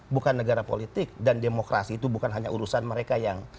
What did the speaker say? bukan negara politik dan demokrasi itu bukan hanya urusan mereka yang